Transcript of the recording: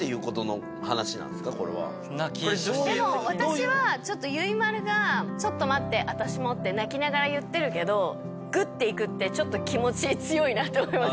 でも私はちょっとゆいまるが「ちょっと待って私も」って泣きながら言ってるけどグッていくってちょっと気持ち強いなと思います。